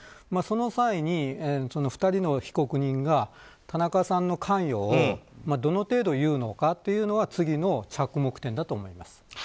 その際に、２人の被告人が田中さんの関与をどの程度言うのかというのは次の着目点だと思います。